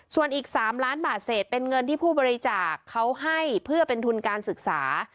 ส่วนอีก๓ล้านบาทเศษเป็นเงินที่ผู้บริจาคเขาให้เพื่อเป็นทุนการศึกษา